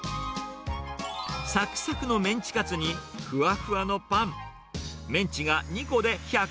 さっくさくのメンチカツに、ふわふわのパン。